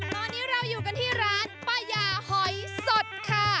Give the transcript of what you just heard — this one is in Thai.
ตอนนี้เราอยู่กันที่ร้านป้ายาหอยสดค่ะ